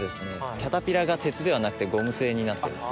キャタピラーが鉄ではなくてゴム製になってます。